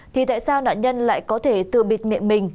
thì tại sao nạn nhân lại có thể tự bịt miệng mình